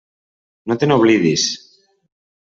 No te n'oblidis.